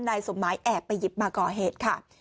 นายสมหมายแอบไปหยิบมาก่อเหตุค่ะ